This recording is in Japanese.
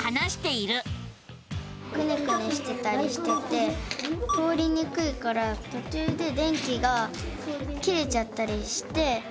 くねくねしてたりしてて通りにくいからとちゅうで電気が切れちゃったりして。